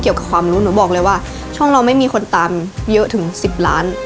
ความรู้หนูบอกเลยว่าช่องเราไม่มีคนตามเยอะถึง๑๐ล้าน